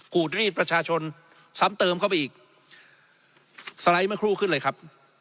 กูดรีดประชาชนซ้ำเติมเข้าไปอีกสไลด์เมื่อครู่ขึ้นเลยครับ